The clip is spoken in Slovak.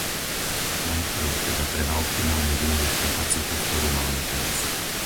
Najprv teda treba optimálne využiť kapacitu, ktorú máme teraz.